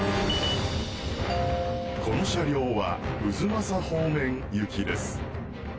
この車両は太秦方面行きです。